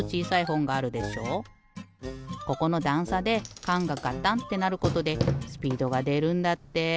ここのだんさでかんがカタンってなることでスピードがでるんだって。